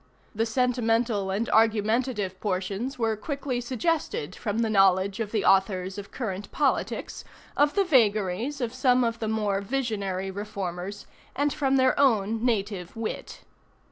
The sentimental and argumentative portions were quickly suggested from the knowledge of the authors of current politics, of the vagaries of some of the more visionary reformers, and from their own native wit.